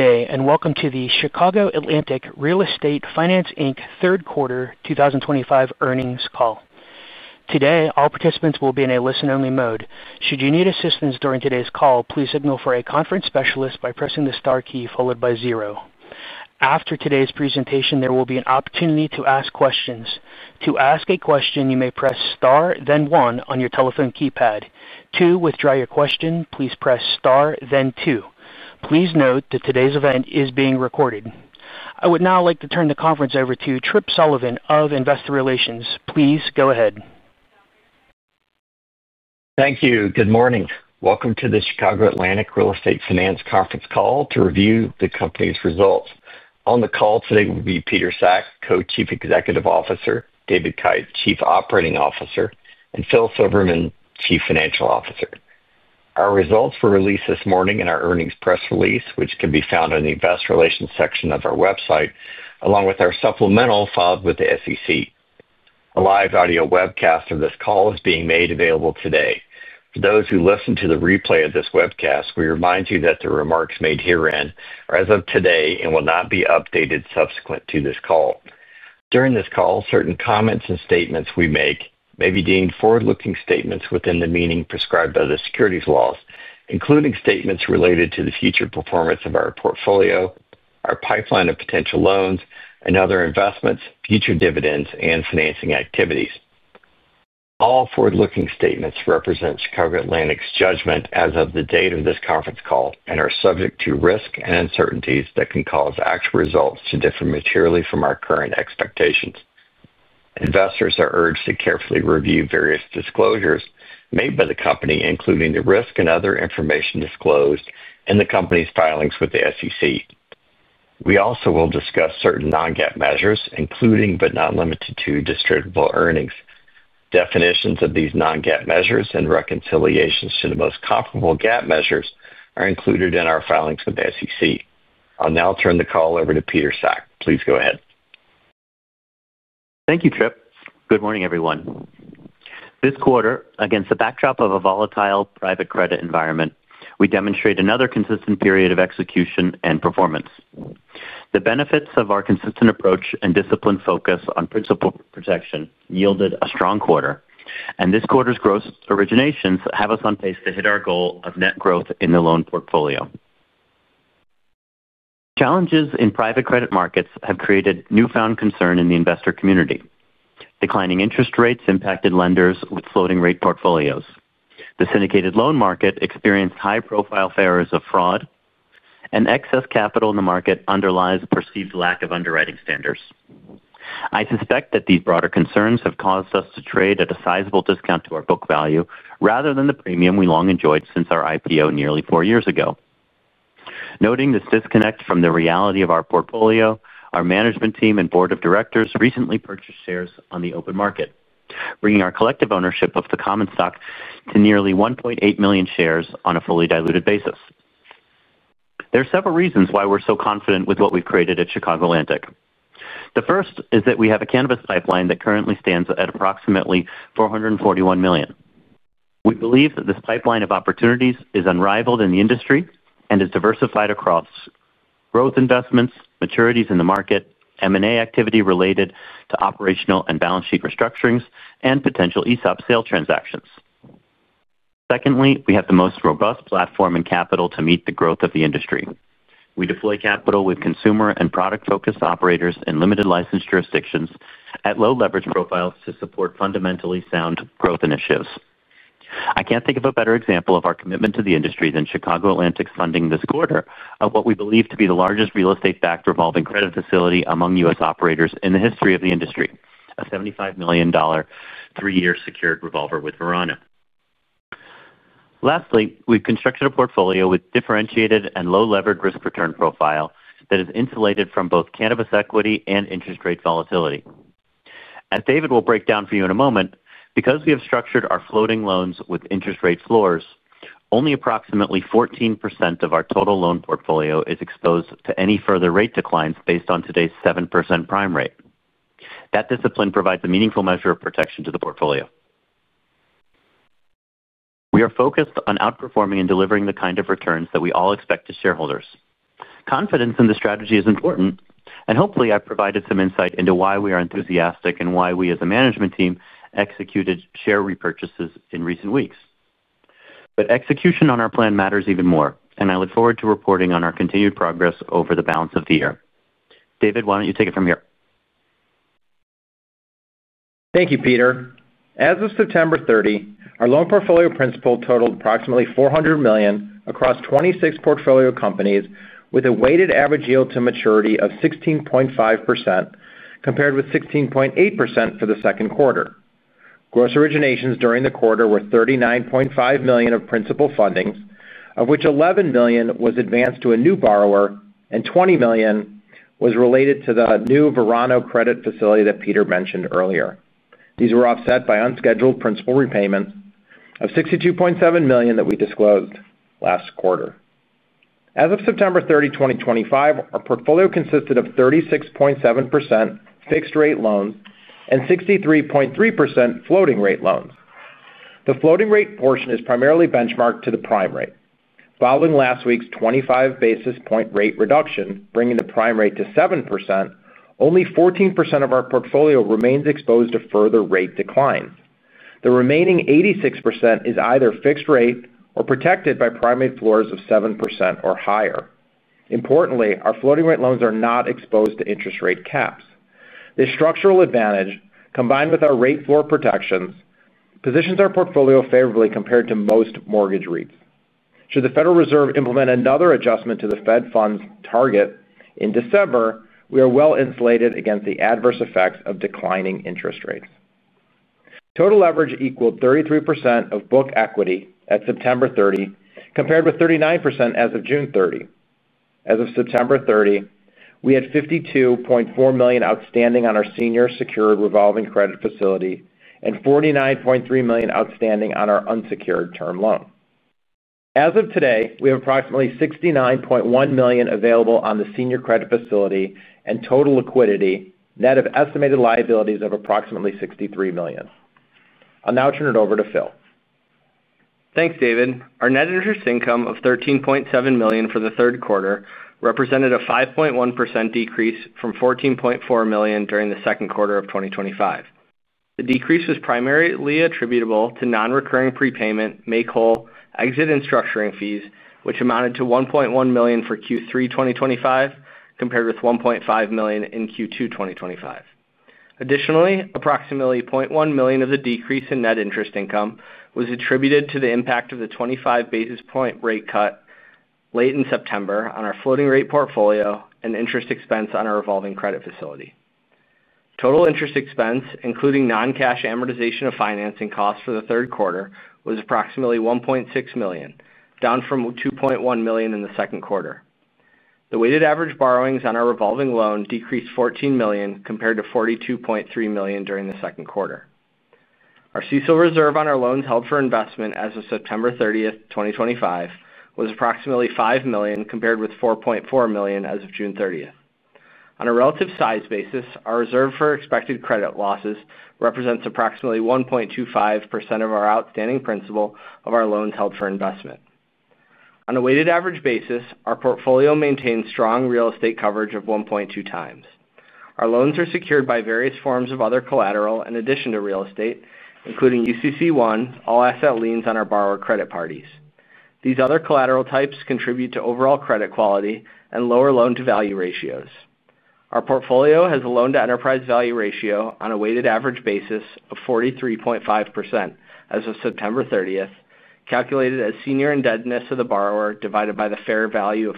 Good day, and welcome to the Chicago Atlantic Real Estate Finance, Inc third quarter 2025 earnings call. Today, all participants will be in a listen-only mode. Should you need assistance during today's call, please signal for a conference specialist by pressing the star key followed by zero. After today's presentation, there will be an opportunity to ask questions. To ask a question, you may press star, then one on your telephone keypad. To withdraw your question, please press star, then two. Please note that today's event is being recorded. I would now like to turn the conference over to Tripp Sullivan of Investor Relations. Please go ahead. Thank you. Good morning. Welcome to the Chicago Atlantic Real Estate Finance conference call to review the company's results. On the call today will be Peter Sack, Co-Chief Executive Officer, David Kite, Chief Operating Officer, and Phil Silverman, Chief Financial Officer. Our results were released this morning in our earnings press release, which can be found in the Investor Relations section of our website, along with our supplemental filed with the SEC. A live audio webcast of this call is being made available today. For those who listen to the replay of this webcast, we remind you that the remarks made herein are as of today and will not be updated subsequent to this call. During this call, certain comments and statements we make may be deemed forward-looking statements within the meaning prescribed by the securities laws, including statements related to the future performance of our portfolio, our pipeline of potential loans, and other investments, future dividends, and financing activities. All forward-looking statements represent Chicago Atlantic's judgment as of the date of this conference call and are subject to risk and uncertainties that can cause actual results to differ materially from our current expectations. Investors are urged to carefully review various disclosures made by the company, including the risk and other information disclosed in the company's filings with the SEC. We also will discuss certain non-GAAP measures, including but not limited to distributable earnings. Definitions of these non-GAAP measures and reconciliations to the most comparable GAAP measures are included in our filings with the SEC. I'll now turn the call over to Peter Sack. Please go ahead. Thank you, Tripp. Good morning, everyone. This quarter, against the backdrop of a volatile private credit environment, we demonstrate another consistent period of execution and performance. The benefits of our consistent approach and disciplined focus on principal protection yielded a strong quarter, and this quarter's gross originations have us on pace to hit our goal of net growth in the loan portfolio. Challenges in private credit markets have created newfound concern in the investor community. Declining interest rates impacted lenders with floating-rate portfolios. The syndicated loan market experienced high-profile failures of fraud, and excess capital in the market underlies a perceived lack of underwriting standards. I suspect that these broader concerns have caused us to trade at a sizable discount to our book value rather than the premium we long enjoyed since our IPO nearly four years ago. Noting this disconnect from the reality of our portfolio, our management team and board of directors recently purchased shares on the open market, bringing our collective ownership of the common stock to nearly 1.8 million shares on a fully diluted basis. There are several reasons why we're so confident with what we've created at Chicago Atlantic. The first is that we have a cannabis pipeline that currently stands at approximately $441 million. We believe that this pipeline of opportunities is unrivaled in the industry and is diversified across growth investments, maturities in the market, M&A activity related to operational and balance sheet restructurings, and potential ESOP sale transactions. Secondly, we have the most robust platform and capital to meet the growth of the industry. We deploy capital with consumer and product-focused operators in limited-licensed jurisdictions at low-leverage profiles to support fundamentally sound growth initiatives. I can't think of a better example of our commitment to the industry than Chicago Atlantic's funding this quarter of what we believe to be the largest real estate-backed revolving credit facility among U.S. operators in the history of the industry, a $75 million three-year secured revolver with Verano. Lastly, we've constructed a portfolio with differentiated and low-leverage risk-return profile that is insulated from both cannabis equity and interest rate volatility. As David will break down for you in a moment, because we have structured our floating loans with interest rate floors, only approximately 14% of our total loan portfolio is exposed to any further rate declines based on today's 7% prime rate. That discipline provides a meaningful measure of protection to the portfolio. We are focused on outperforming and delivering the kind of returns that we all expect as shareholders. Confidence in the strategy is important, and hopefully, I've provided some insight into why we are enthusiastic and why we, as a management team, executed share repurchases in recent weeks. But execution on our plan matters even more, and I look forward to reporting on our continued progress over the balance of the year. David, why don't you take it from here? Thank you, Peter. As of September 30, our loan portfolio principal totaled approximately $400 million across 26 portfolio companies, with a weighted average yield to maturity of 16.5% compared with 16.8% for the second quarter. Gross originations during the quarter were $39.5 million of principal fundings, of which $11 million was advanced to a new borrower and $20 million was related to the new Verano credit facility that Peter mentioned earlier. These were offset by unscheduled principal repayments of $62.7 million that we disclosed last quarter. As of September 30, 2025, our portfolio consisted of 36.7% fixed-rate loans and 63.3% floating-rate loans. The floating-rate portion is primarily benchmarked to the prime rate. Following last week's 25 basis point rate reduction, bringing the prime rate to 7%, only 14% of our portfolio remains exposed to further rate declines. The remaining 86% is either fixed-rate or protected by primary floors of 7% or higher. Importantly, our floating-rate loans are not exposed to interest rate caps. This structural advantage, combined with our rate floor protections, positions our portfolio favorably compared to most mortgage REITs. Should the Federal Reserve implement another adjustment to the Fed funds target in December, we are well insulated against the adverse effects of declining interest rates. Total leverage equaled 33% of book equity at September 30, compared with 39% as of June 30. As of September 30, we had $52.4 million outstanding on our senior secured revolving credit facility and $49.3 million outstanding on our unsecured term loan. As of today, we have approximately $69.1 million available on the senior credit facility and total liquidity, net of estimated liabilities of approximately $63 million. I'll now turn it over to Phil. Thanks, David. Our net interest income of $13.7 million for the third quarter represented a 5.1% decrease from $14.4 million during the second quarter of 2025. The decrease was primarily attributable to non-recurring prepayment, make-whole, exit, and structuring fees, which amounted to $1.1 million for Q3 2025 compared with $1.5 million in Q2 2025. Additionally, approximately $0.1 million of the decrease in net interest income was attributed to the impact of the 25 basis point rate cut late in September on our floating-rate portfolio and interest expense on our revolving credit facility. Total interest expense, including non-cash amortization of financing costs for the third quarter, was approximately $1.6 million, down from $2.1 million in the second quarter. The weighted average borrowings on our revolving loan decreased $14 million compared to $42.3 million during the second quarter. Our CECL reserve on our loans held for investment as of September 30, 2025, was approximately $5 million compared with $4.4 million as of June 30. On a relative size basis, our reserve for expected credit losses represents approximately 1.25% of our outstanding principal of our loans held for investment. On a weighted average basis, our portfolio maintains strong real estate coverage of 1.2 times. Our loans are secured by various forms of other collateral in addition to real estate, including UCC-1 all-asset liens on our borrower credit parties. These other collateral types contribute to overall credit quality and lower loan-to-value ratios. Our portfolio has a loan-to-enterprise value ratio on a weighted average basis of 43.5% as of September 30, calculated as senior indebtedness of the borrower divided by the enterprise value.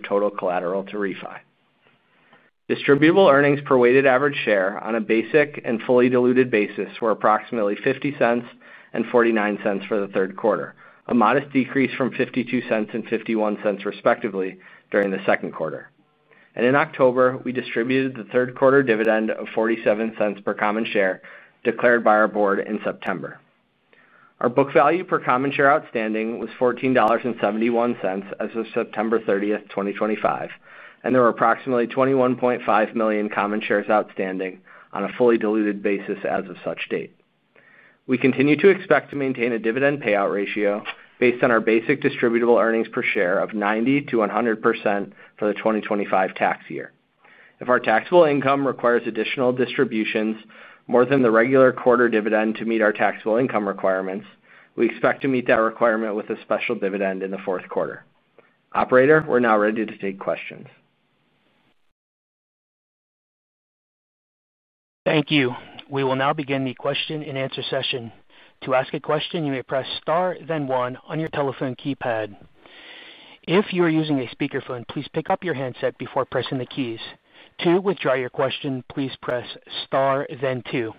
Distributable earnings per weighted average share on a basic and fully diluted basis were approximately $0.50 and $0.49 for the third quarter, a modest decrease from $0.52 and $0.51 respectively during the second quarter. And in October, we distributed the third-quarter dividend of $0.47 per common share declared by our board in September. Our book value per common share outstanding was $14.71 as of September 30, 2025, and there were approximately 21.5 million common shares outstanding on a fully diluted basis as of such date. We continue to expect to maintain a dividend payout ratio based on our basic distributable earnings per share of 90%-100% for the 2025 tax year. If our taxable income requires additional distributions more than the regular quarter dividend to meet our taxable income requirements, we expect to meet that requirement with a special dividend in the fourth quarter. Operator, we're now ready to take questions. Thank you. We will now begin the question-and-answer session. To ask a question, you may press star, then one on your telephone keypad. If you are using a speakerphone, please pick up your handset before pressing the keys. To withdraw your question, please press star, then two.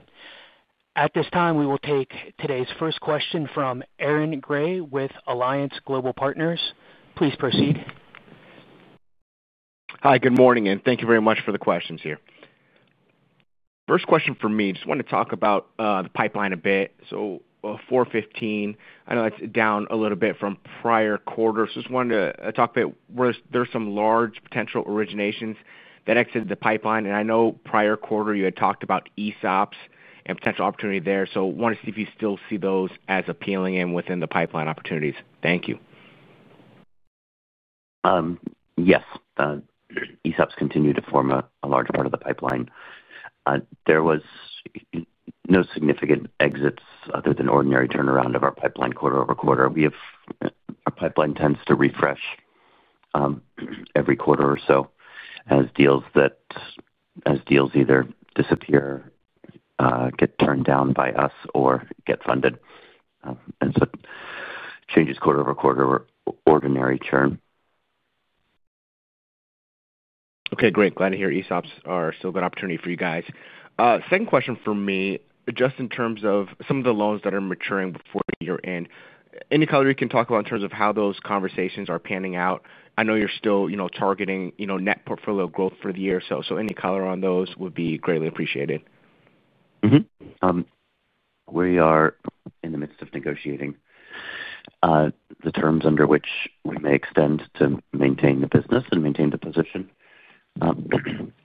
At this time, we will take today's first question from Aaron Grey with Alliance Global Partners. Please proceed. Hi, good morning, and thank you very much for the questions here. First question for me, just want to talk about the pipeline a bit. So $415 million, I know that's down a little bit from prior quarters. Just wanted to talk a bit where there's some large potential originations that exited the pipeline. And I know prior quarter you had talked about ESOPs and potential opportunity there. So wanted to see if you still see those as appealing and within the pipeline opportunities. Thank you. Yes. ESOPs continue to form a large part of the pipeline. There was no significant exits other than ordinary turnaround of our pipeline quarter over quarter. Our pipeline tends to refresh every quarter or so as deals either disappear. Get turned down by us or get funded. And so changes quarter over quarter ordinary churn. Okay, great. Glad to hear ESOPs are still a good opportunity for you guys. Second question for me, just in terms of some of the loans that are maturing before year-end, any color you can talk about in terms of how those conversations are panning out? I know you're still targeting net portfolio growth for the year, so any color on those would be greatly appreciated. We are in the midst of negotiating the terms under which we may extend to maintain the business and maintain the position,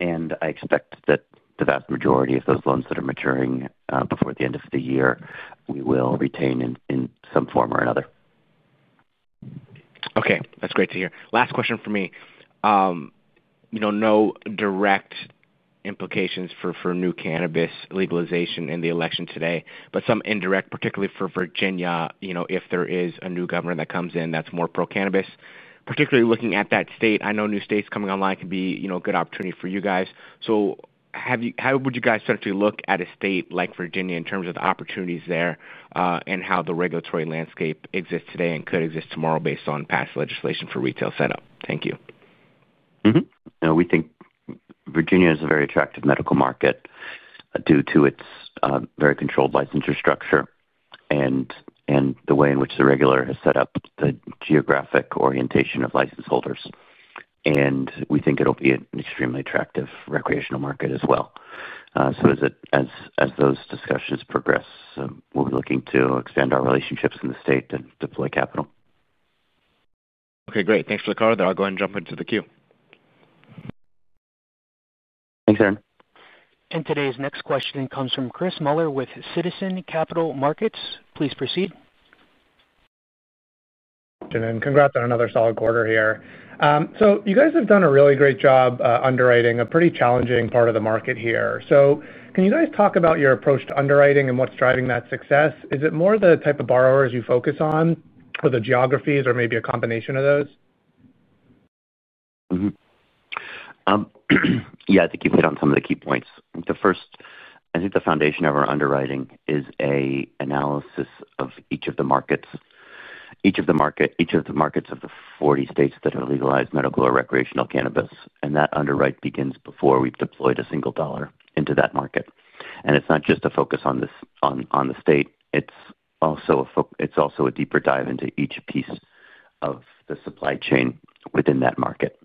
and I expect that the vast majority of those loans that are maturing before the end of the year, we will retain in some form or another. Okay. That's great to hear. Last question for me. No direct implications for new cannabis legalization in the election today, but some indirect, particularly for Virginia, if there is a new government that comes in that's more pro-cannabis. Particularly looking at that state, I know new states coming online could be a good opportunity for you guys. So how would you guys potentially look at a state like Virginia in terms of the opportunities there and how the regulatory landscape exists today and could exist tomorrow based on past legislation for retail setup? Thank you. We think Virginia is a very attractive medical market. Due to its very controlled licensure structure and the way in which the regulator has set up the geographic orientation of license holders. And we think it'll be an extremely attractive recreational market as well. So as those discussions progress, we'll be looking to expand our relationships in the state and deploy capital. Okay, great. Thanks for the call. Then I'll go ahead and jump into the queue. Thanks, Aaron. Today's next question comes from Chris Muller with Citizens Capital Markets. Please proceed. Congrats on another solid quarter here. You guys have done a really great job underwriting a pretty challenging part of the market here. Can you guys talk about your approach to underwriting and what's driving that success? Is it more the type of borrowers you focus on or the geographies or maybe a combination of those? Yeah, I think you hit on some of the key points. The first, I think, the foundation of our underwriting is an analysis of each of the markets. Each of the markets of the 40 states that are legalized medical or recreational cannabis, and that underwriting begins before we've deployed a single dollar into that market. And it's not just a focus on the state. It's also a deeper dive into each piece of the supply chain within that market.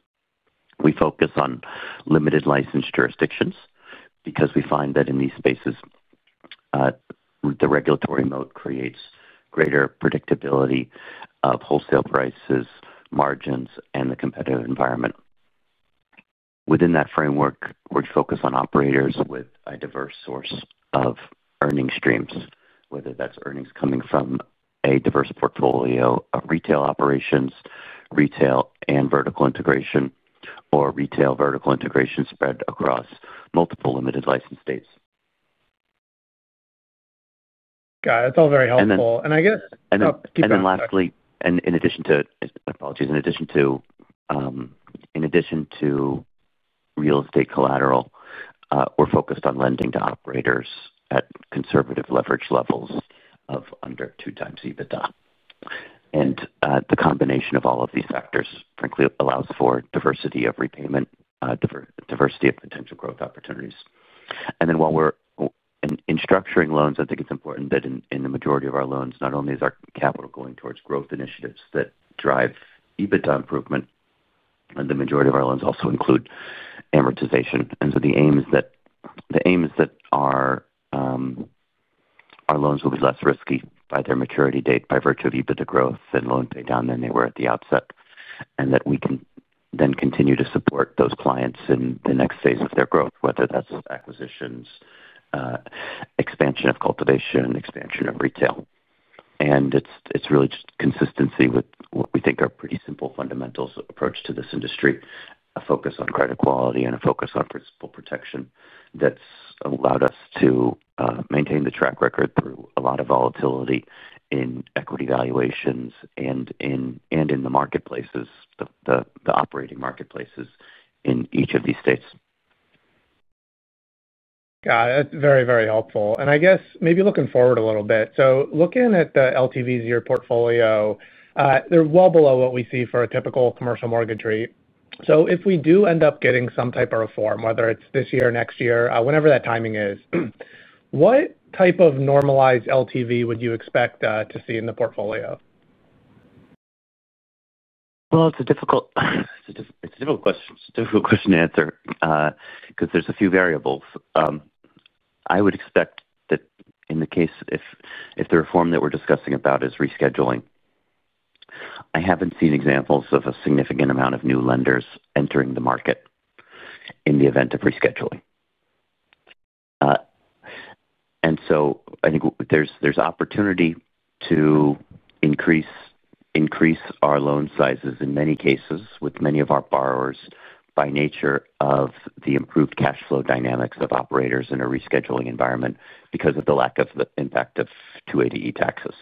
We focus on limited license jurisdictions because we find that in these spaces the regulatory moat creates greater predictability of wholesale prices, margins, and the competitive environment. Within that framework, we focus on operators with a diverse source of earning streams, whether that's earnings coming from a diverse portfolio of retail operations, retail and vertical integration, or retail vertical integration spread across multiple limited license states. Got it. That's all very helpful, and I guess. And then lastly, in addition to, apologies, in addition to real estate collateral, we're focused on lending to operators at conservative leverage levels of under two times EBITDA. And the combination of all of these factors, frankly, allows for diversity of repayment. Diversity of potential growth opportunities. And then while we're in structuring loans, I think it's important that in the majority of our loans, not only is our capital going towards growth initiatives that drive EBITDA improvement. The majority of our loans also include amortization. And so the aim is that. Our loans will be less risky by their maturity date by virtue of EBITDA growth and loan pay down than they were at the outset, and that we can then continue to support those clients in the next phase of their growth, whether that's acquisitions, expansion of cultivation, expansion of retail. And it's really just consistency with what we think are pretty simple fundamentals approach to this industry, a focus on credit quality and a focus on principal protection that's allowed us to maintain the track record through a lot of volatility in equity valuations and in the marketplaces, the operating marketplaces in each of these states. Got it. That's very, very helpful. And I guess maybe looking forward a little bit. So looking at the LTVs of your portfolio. They're well below what we see for a typical commercial mortgage rate. So if we do end up getting some type of reform, whether it's this year, next year, whenever that timing is. What type of normalized LTV would you expect to see in the portfolio? Well, it's a difficult, it's a difficult question. It's a difficult question to answer because there's a few variables. I would expect that in the case if the reform that we're discussing about is rescheduling. I haven't seen examples of a significant amount of new lenders entering the market in the event of rescheduling. And so I think there's opportunity to increase our loan sizes in many cases with many of our borrowers by nature of the improved cash flow dynamics of operators in a rescheduling environment because of the lack of the impact of 280E taxes.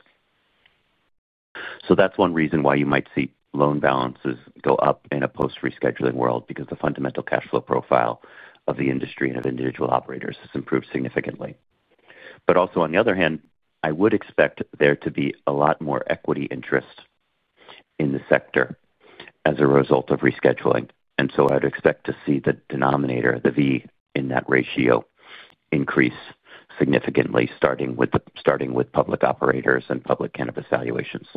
So that's one reason why you might see loan balances go up in a post-rescheduling world because the fundamental cash flow profile of the industry and of individual operators has improved significantly. But also, on the other hand, I would expect there to be a lot more equity interest in the sector as a result of rescheduling. And so I would expect to see the denominator, the V in that ratio, increase significantly starting with public operators and public cannabis valuations.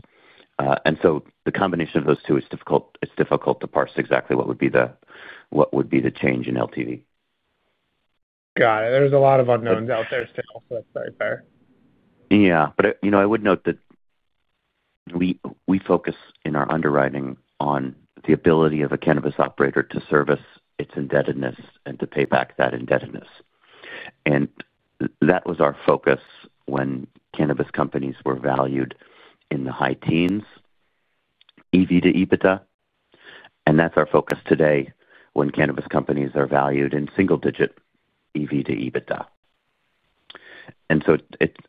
And so the combination of those two is difficult. It's difficult to parse exactly what would be the, what would be the change in LTV. Got it. There's a lot of unknowns out there still, so that's very fair. Yeah. But I would note that. We focus in our underwriting on the ability of a cannabis operator to service its indebtedness and to pay back that indebtedness. And that was our focus when cannabis companies were valued in the high teens EV to EBITDA. And that's our focus today when cannabis companies are valued in single-digit EV to EBITDA. And so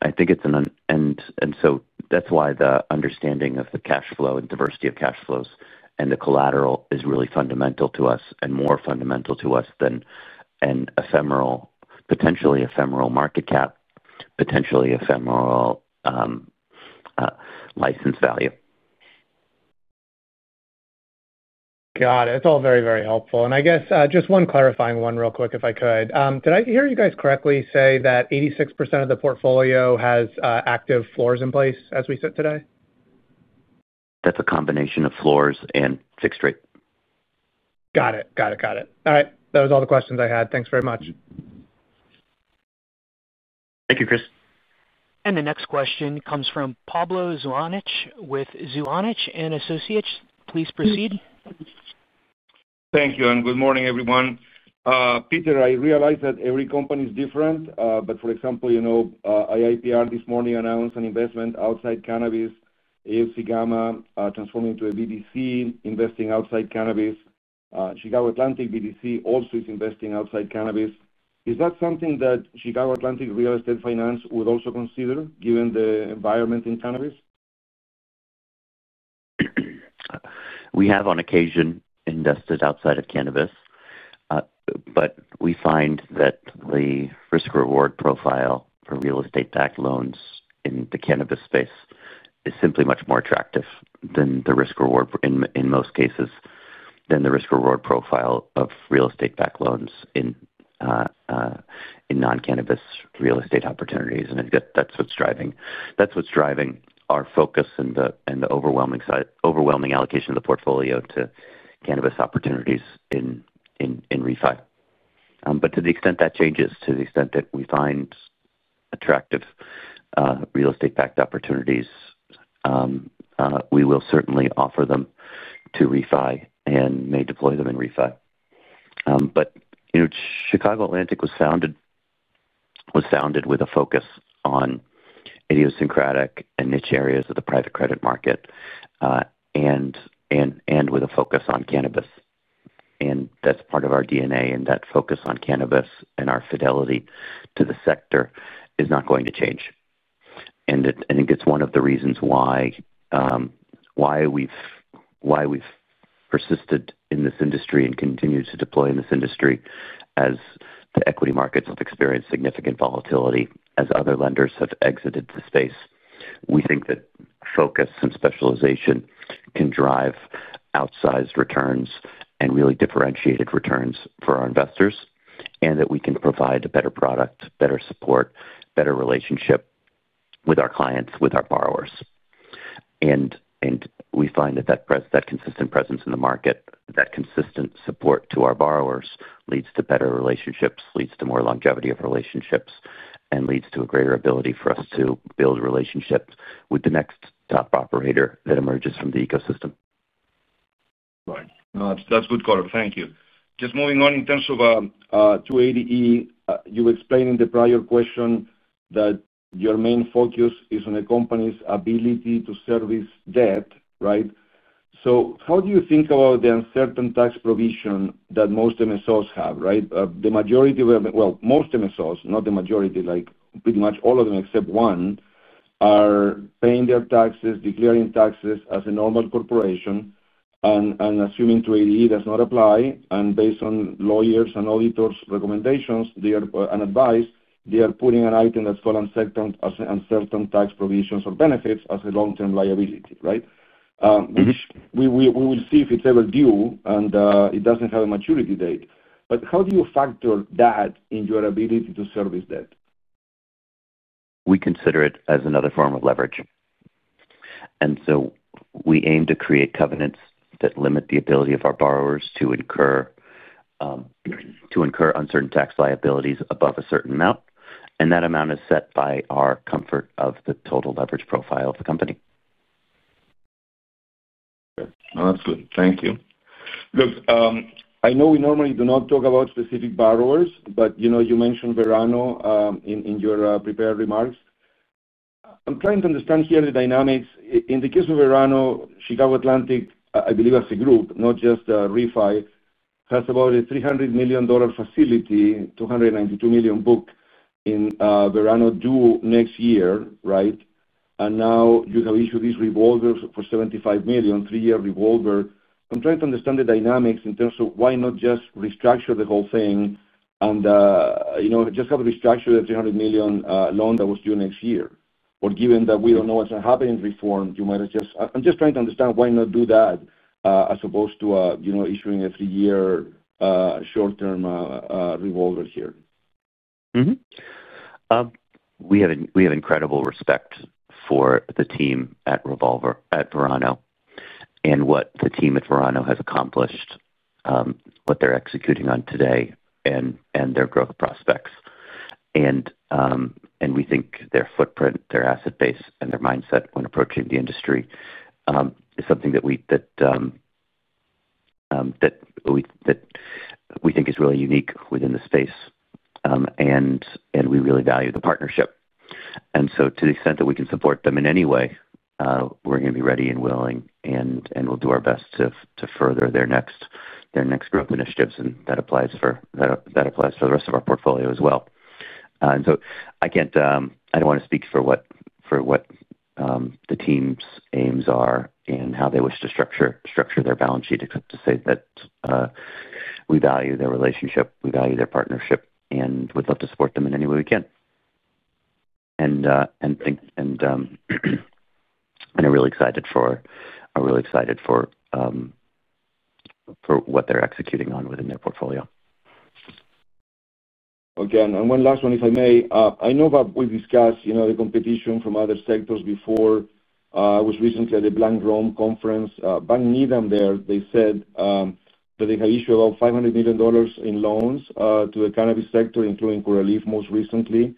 I think it's and so that's why the understanding of the cash flow and diversity of cash flows and the collateral is really fundamental to us and more fundamental to us than an potentially ephemeral market cap, potentially ephemeral license value. Got it. That's all very, very helpful, and I guess just one clarifying one real quick, if I could. Did I hear you guys correctly say that 86% of the portfolio has active floors in place as we sit today? That's a combination of floors and fixed rate. Got it. All right. That was all the questions I had. Thanks very much. Thank you, Chris. The next question comes from Pablo Zuanic with Zuanic & Associates. Please proceed. Thank you, and good morning, everyone. Peter, I realize that every company is different. But, for example, IIPR this morning announced an investment outside cannabis. AFC Gamma, transforming to a BDC, investing outside cannabis. Chicago Atlantic BDC also is investing outside cannabis. Is that something that Chicago Atlantic Real Estate Finance would also consider, given the environment in cannabis? We have, on occasion, invested outside of cannabis. But we find that the risk-reward profile for real estate-backed loans in the cannabis space is simply much more attractive than the risk-reward, in most cases, than the risk-reward profile of real estate-backed loans in non-cannabis real estate opportunities. And that's what's driving our focus and the overwhelming allocation of the portfolio to cannabis opportunities in REFI. But to the extent that changes, to the extent that we find attractive real estate-backed opportunities, we will certainly offer them to REFI and may deploy them in REFI. But Chicago Atlantic was founded with a focus on idiosyncratic and niche areas of the private credit market and with a focus on cannabis. And that's part of our DNA. And that focus on cannabis and our fidelity to the sector is not going to change. And I think it's one of the reasons why we've persisted in this industry and continue to deploy in this industry as the equity markets have experienced significant volatility, as other lenders have exited the space. We think that focus and specialization can drive outsized returns and really differentiated returns for our investors and that we can provide a better product, better support, better relationship with our clients, with our borrowers. And we find that that consistent presence in the market, that consistent support to our borrowers, leads to better relationships, leads to more longevity of relationships, and leads to a greater ability for us to build relationships with the next top operator that emerges from the ecosystem. Right. That's good call. Thank you. Just moving on in terms of 280E, you explained in the prior question that your main focus is on a company's ability to service debt, right? So how do you think about the uncertain tax provision that most MSOs have, right? The majority of, well, most MSOs, not the majority, pretty much all of them except one, are paying their taxes, declaring taxes as a normal corporation, and assuming 280E does not apply. And based on lawyers and auditors' recommendations and advice, they are putting an item that's called uncertain tax provisions or benefits as a long-term liability, right? Which we will see if it's ever due and it doesn't have a maturity date. But how do you factor that in your ability to service debt? We consider it as another form of leverage. And so we aim to create covenants that limit the ability of our borrowers to incur uncertain tax liabilities above a certain amount. And that amount is set by our comfort of the total leverage profile of the company. Okay. No, that's good. Thank you. Look, I know we normally do not talk about specific borrowers, but you mentioned Verano in your prepared remarks. I'm trying to understand here the dynamics. In the case of Verano, Chicago Atlantic, I believe as a group, not just REFI, has about a $300 million facility, $292 million book in Verano due next year, right? And now you have issued this revolver for $75 million, three-year revolver. I'm trying to understand the dynamics in terms of why not just restructure the whole thing and just have a restructure the $300 million loan that was due next year. Or given that we don't know what's going to happen in reform, you might just—I'm just trying to understand why not do that as opposed to issuing a three-year short-term revolver here. We have incredible respect for the team at Verano and what the team at Verano has accomplished, what they're executing on today and their growth prospects. We think their footprint, their asset base, and their mindset when approaching the industry is something that we think is really unique within the space, and we really value the partnership, and so to the extent that we can support them in any way, we're going to be ready and willing, and we'll do our best to further their next growth initiatives, and that applies for the rest of our portfolio as well. I don't want to speak for what the team's aims are and how they wish to structure their balance sheet, except to say that we value their relationship. We value their partnership and would love to support them in any way we can, and are really excited for what they're executing on within their portfolio. Okay. And one last one, if I may. I know that we discussed the competition from other sectors before. I was recently at the Blank Rome Conference. Needham Bank there, they said that they have issued about $500 million in loans to the cannabis sector, including Curaleaf most recently.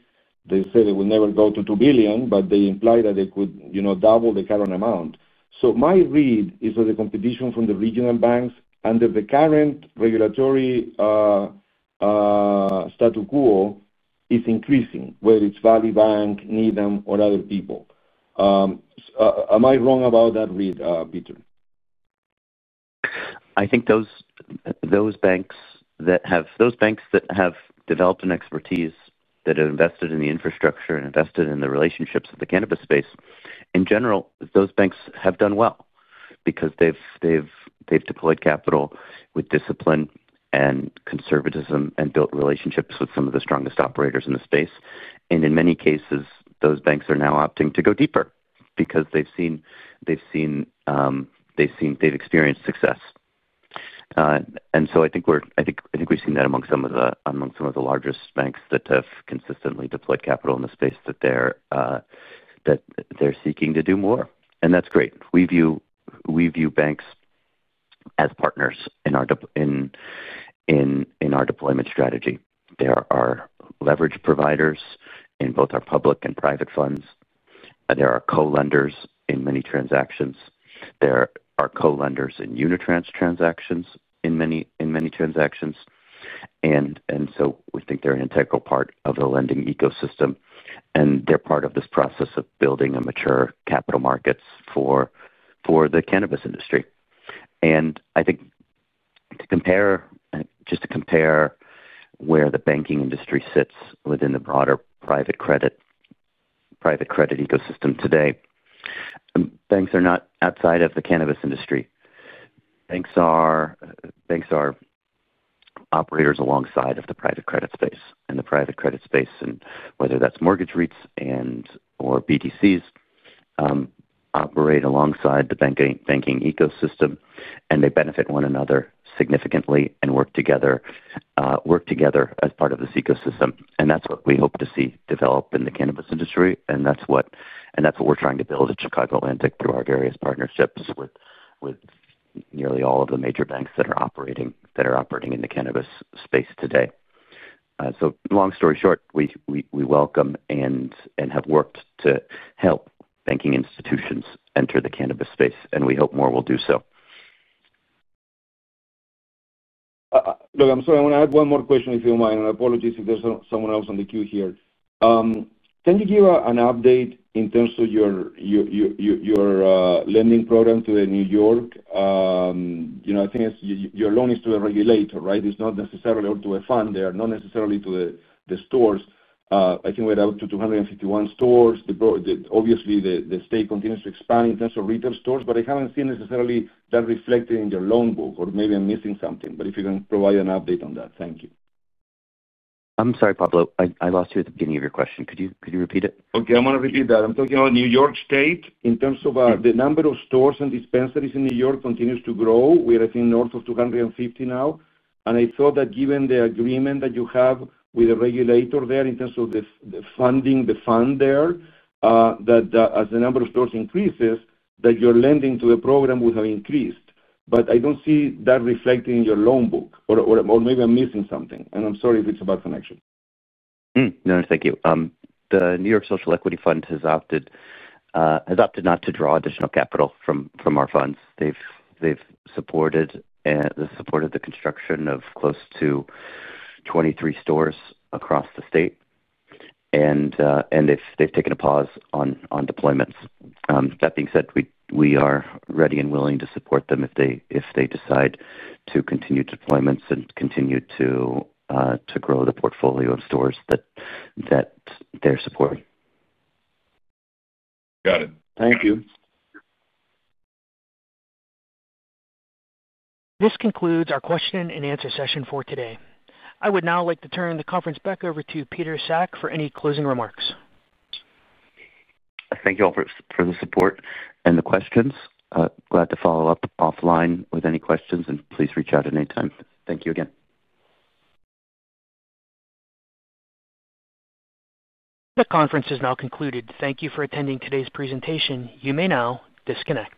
They said it will never go to $2 billion, but they implied that they could double the current amount. So my read is that the competition from the regional banks under the current regulatory status quo is increasing, whether it's Valley Bank, Needham, or other people. Am I wrong about that read, Peter? I think those banks that have developed an expertise, that have invested in the infrastructure and invested in the relationships of the cannabis space, in general, those banks have done well because they've deployed capital with discipline and conservatism and built relationships with some of the strongest operators in the space, and in many cases, those banks are now opting to go deeper because they've seen they've experienced success, and so I think we're—I think we've seen that among some of the largest banks that have consistently deployed capital in the space that they're seeking to do more, and that's great. We view banks as partners in our deployment strategy. There are leverage providers in both our public and private funds. There are co-lenders in many transactions. There are co-lenders in our transactions in many transactions, and so we think they're an integral part of the lending ecosystem, and they're part of this process of building a mature capital markets for the cannabis industry, and I think just to compare where the banking industry sits within the broader private credit ecosystem today. Banks are not outside of the cannabis industry. Banks are operators alongside of the private credit space, and the private credit space, whether that's mortgage REITs or BDCs, operate alongside the banking ecosystem, and they benefit one another significantly and work together as part of this ecosystem, and that's what we hope to see develop in the cannabis industry, and that's what we're trying to build at Chicago Atlantic through our various partnerships with nearly all of the major banks that are operating in the cannabis space today, so long story short, we welcome and have worked to help banking institutions enter the cannabis space, and we hope more will do so. Look, I'm sorry. I want to add one more question, if you don't mind. And apologies if there's someone else on the queue here. Can you give an update in terms of your lending program to New York? I think your loan is to a regulator, right? It's not necessarily to a fund. They are not necessarily to the stores. I think we're up to 251 stores. Obviously, the state continues to expand in terms of retail stores, but I haven't seen necessarily that reflected in your loan book, or maybe I'm missing something. But if you can provide an update on that, thank you. I'm sorry, Pablo. I lost you at the beginning of your question. Could you repeat it? Okay. I'm going to repeat that. I'm talking about New York State. In terms of the number of stores and dispensaries in New York continues to grow. We're I think north of 250 now. And I thought that given the agreement that you have with the regulator there in terms of the funding, the fund there, that as the number of stores increases, that your lending to the program would have increased. But I don't see that reflected in your loan book. Or maybe I'm missing something. And I'm sorry if it's a bad connection. No, thank you. The New York Social Equity Fund has opted not to draw additional capital from our funds. They've supported the construction of close to 23 stores across the state. And they've taken a pause on deployments. That being said, we are ready and willing to support them if they decide to continue deployments and continue to grow the portfolio of stores that they're supporting. Got it. Thank you. This concludes our question and answer session for today. I would now like to turn the conference back over to Peter Sack for any closing remarks. Thank you all for the support and the questions. Glad to follow up offline with any questions, and please reach out at any time. Thank you again. The conference is now concluded. Thank you for attending today's presentation. You may now disconnect.